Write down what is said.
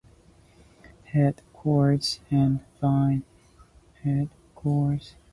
Head coarse and fine.